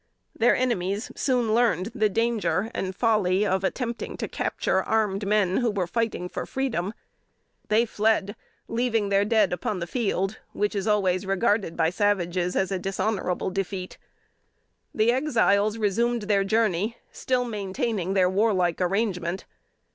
Their enemies soon learned the danger and folly of attempting to capture armed men who were fighting for freedom. They fled, leaving their dead upon the field; which is always regarded by savages as dishonorable defeat. The Exiles resumed their journey, still maintaining their warlike arrangement.